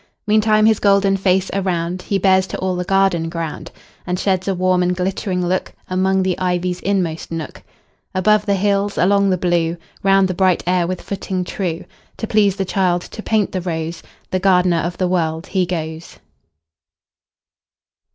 Meantime his golden face aroundHe bears to all the garden ground, And sheds a warm and glittering lookAmong the ivy's inmost nook. Above the hills, along the blue, Round the bright air with footing true, To please the child, to paint the rose, The gardener of the World, he goes.